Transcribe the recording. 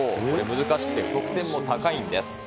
難しくて得点も高いんです。